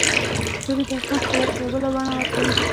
ستوري د اسمان ښکلا ته یو بله بڼه ورکوي.